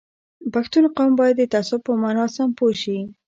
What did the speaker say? پښتون قوم باید د تعصب په مانا سم پوه شي